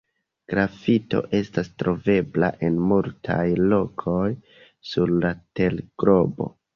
Grafito estas trovebla en multaj lokoj sur la terglobo.